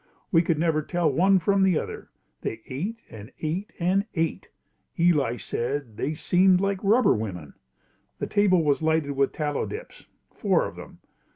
We could never tell one from the other. They ate and ate and ate. Eli said, "They seemed like rubber women." The table was lighted with tallow dips, four of them.